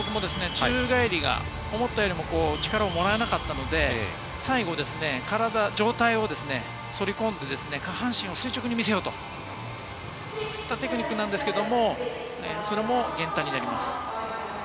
宙返りが思ったより力をもらわなかったので、最後、上体を反り込んで下半身を垂直に見せようと、そういったテクニックなんですけれども、それも減点になります。